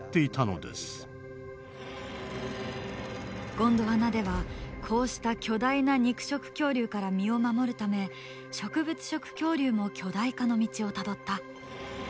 ゴンドワナではこうした巨大な肉食恐竜から身を守るため植物食恐竜も巨大化の道をたどった。